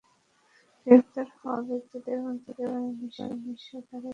গ্রেপ্তার হওয়া ব্যক্তিদের মধ্যে যাঁরা একেবারে নিঃস্ব, তাঁরাই সম্ভবত এখন জেলে আছেন।